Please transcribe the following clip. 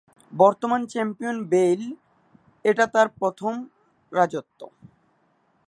বর্তমান champion Bale এটা তার প্রথম রাজত্ব।